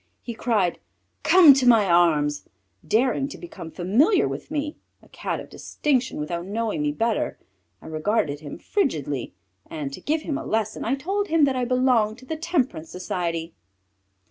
He cried, "Come to my arms," daring to become familiar with me, a Cat of distinction, without knowing me better. I regarded him frigidly and, to give him a lesson, I told him that I belonged to the Temperance Society.